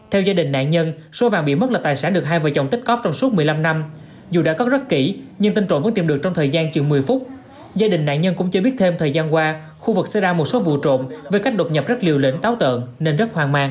theo gia đình nạn nhân số vàng bị mất là tài sản được hai vợ chồng tích cóp trong suốt một mươi năm năm dù đã có rất kỹ nhưng tên trộm vẫn tìm được trong thời gian chừng một mươi phút gia đình nạn nhân cũng chưa biết thêm thời gian qua khu vực xảy ra một số vụ trộm với cách đột nhập rất liều lĩnh táo tợn nên rất hoang mang